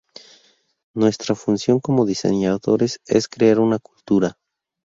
Nuestra función como diseñadores es crear una cultura.